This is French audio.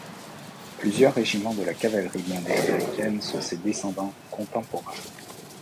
Plusieurs régiments de la cavalerie blindée américaine sont ses descendants contemporains.